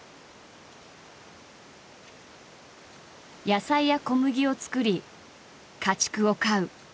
野菜や小麦を作り家畜を飼う。